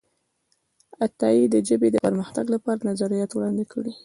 عطايي د ژبې د پرمختګ لپاره نظریات وړاندې کړي دي.